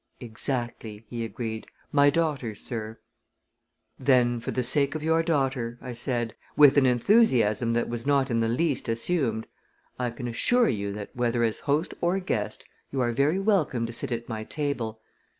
"Exactly," he agreed. "My daughter, sir." "Then for the sake of your daughter," I said, with an enthusiasm that was not in the least assumed, "I can assure you that, whether as host or guest, you are very welcome to sit at my table.